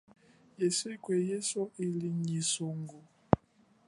Yeseko yeswe ili nyi songo.